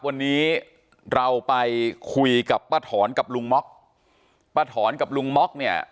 วันนี้เราไปคุยกับป้าถอนกับลุงม็อกป้าถอนกับลุงม็อกเนี่ย